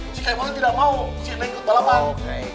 si kemote tidak mau si neng neng balapan